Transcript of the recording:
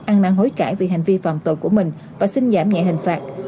ăn năng hối cãi vì hành vi phạm tội của mình và xin giảm nhẹ hình phạt